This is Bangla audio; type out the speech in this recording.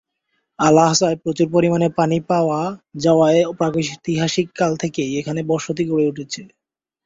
আল-আহসায় প্রচুর পরিমাণে পানি পাওয়া যাওয়ায় প্রাগৈতিহাসিক কাল থেকেই এখানে বসতি গড়ে উঠেছে।